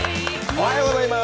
おはようございます。